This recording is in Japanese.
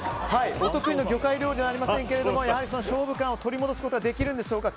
お得意の魚介料理がありませんがその勝負感を取り戻すことはできるんでしょうか。